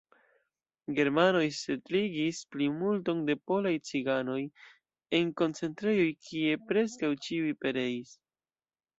Germanoj setligis plimulton de polaj ciganoj en koncentrejoj, kie preskaŭ ĉiuj pereis.